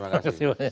terima kasih banyak